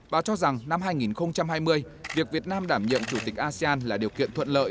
bà cho rằng năm hai nghìn hai mươi việc việt nam đảm nhiệm chủ tịch asean là điều kiện thuận lợi